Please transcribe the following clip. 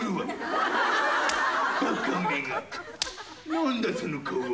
何だその顔は。